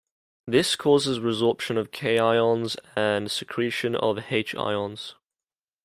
This causes resorption of K ions and secretion of H ions.